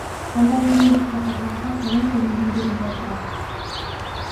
Андан кийинки катарларда Колумбия менен Бельгия турат.